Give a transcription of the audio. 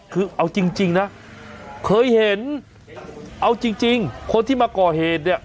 คือเอาจริงนะเคยเห็นเอาจริงคนที่มาก่อเหตุเนี่ย